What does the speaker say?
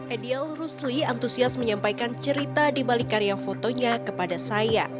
ediel rusli antusias menyampaikan cerita di balik karya fotonya kepada saya